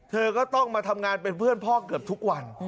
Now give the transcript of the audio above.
เธอก็ต้องมาทำงานเป็นเพื่อนพ่อเกือบทุกวัน